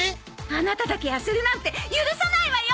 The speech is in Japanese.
アナタだけやせるなんて許さないわよ！